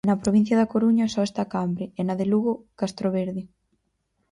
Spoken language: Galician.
Na provincia da Coruña só está Cambre e na de Lugo Castroverde.